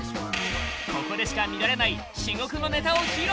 ここでしか見られない至極のネタを披露